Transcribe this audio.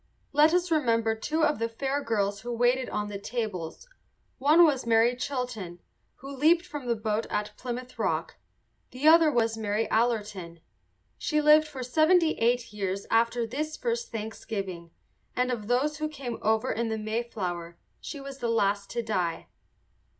Let us remember two of the fair girls who waited on the tables. One was Mary Chilton, who leaped from the boat at Plymouth Rock; the other was Mary Allerton. She lived for seventy eight years after this first Thanksgiving, and of those who came over in the Mayflower she was the last to die.